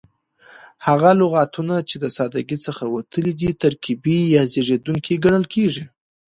هغه لغتونه، چي د ساده څخه وتلي دي ترکیبي یا زېږېدونکي کڼل کیږي.